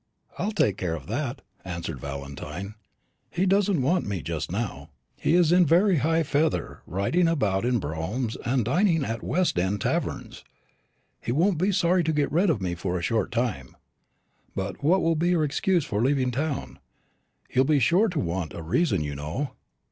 "I'll take care of that," answered Valentine; "he doesn't want me just now. He's in very high feather, riding about in broughams and dining at West end taverns. He won't be sorry to get rid of me for a short time." "But what'll be your excuse for leaving town? He'll be sure to want a reason, you know."